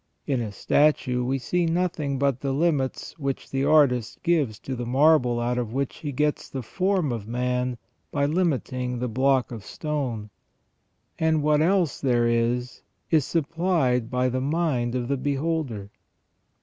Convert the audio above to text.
In a statue we see nothing but the limits which the artist gives to the marble out of which he gets the form of man by limiting the block of stone, and what else there is is supplied by the mind of the beholder.